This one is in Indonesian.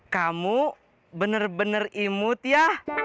kamu bener bener imut ya